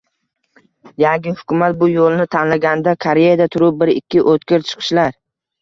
Yangi hukumat bu yo‘lni tanlaganda, Koreyada turib bir-ikki o‘tkir chiqishlar